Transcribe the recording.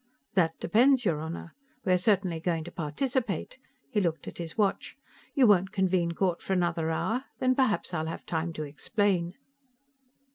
"That depends, your Honor. We are certainly going to participate." He looked at his watch. "You won't convene court for another hour? Then perhaps I'll have time to explain."